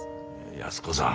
安子さん。